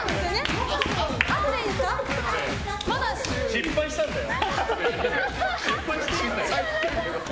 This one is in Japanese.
失敗したんだよ。